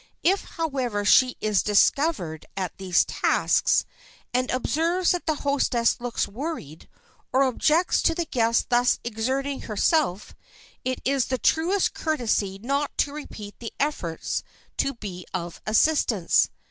If, however, she is discovered at these tasks, and observes that the hostess looks worried, or objects to the guest thus exerting herself, it is the truest courtesy not to repeat the efforts to be of assistance.